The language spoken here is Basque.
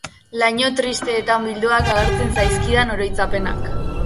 Laino tristeetan bilduak agertzen zaizkidan oroitzapenak.